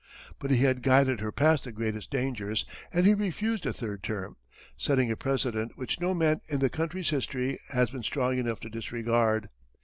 But he had guided her past the greatest dangers, and he refused a third term, setting a precedent which no man in the country's history has been strong enough to disregard.